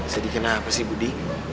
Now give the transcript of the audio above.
sedih kenapa sih budi